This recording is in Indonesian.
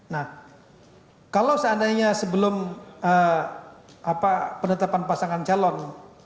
nah kalau seandainya sebelum penetapan pasangan calon